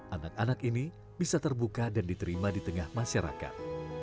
anak anak ini bisa terbuka dan diterima di tengah masyarakat